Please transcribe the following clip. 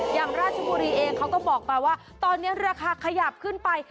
อย่างราชบุรีเองเขาก็บอกมาว่าตอนนี้ราคาขยับขึ้นไป